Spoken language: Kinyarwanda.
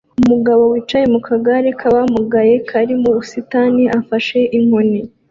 Umugabo wicaye mu kagare k'abamugaye kari mu busitani afashe inkoni